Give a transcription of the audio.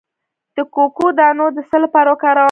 د کوکو دانه د څه لپاره وکاروم؟